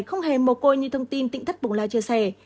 không hề mồ côi như thông tin tỉnh thất bồng lai chia sẻ